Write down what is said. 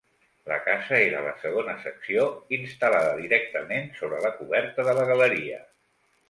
La casa era la segona secció, instal·lada directament sobre la coberta de la galeria.